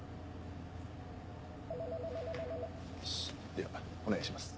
ではお願いします。